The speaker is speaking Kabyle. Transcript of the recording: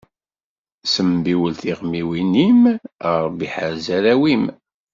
Sembiwel taɣmiwin-im, a Ṛebbi ḥerz arraw-im.